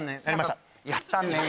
「やったんねん」